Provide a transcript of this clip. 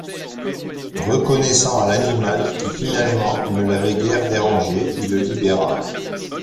Reconnaissant à l'animal qui finalement ne l'avait guère dérangé, il le libéra.